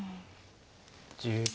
１０秒。